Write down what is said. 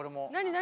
何？